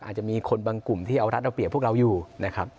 อาจจะมีคนบางกลุ่มที่เอารัฐเอาเปรียบพวกเราอยู่นะครับ